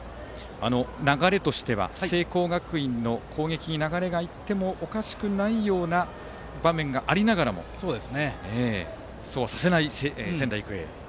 流れとしては聖光学院の攻撃に流れがいってもおかしくないような場面がありながらもそうさせない仙台育英。